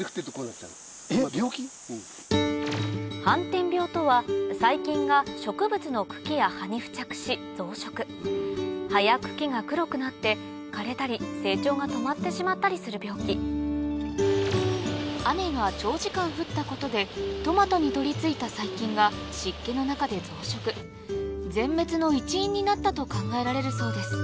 斑点病とは細菌が植物の茎や葉に付着し増殖葉や茎が黒くなって枯れたり成長が止まってしまったりする病気雨が長時間降ったことでトマトに取り付いた細菌が湿気の中で増殖全滅の一因になったと考えられるそうです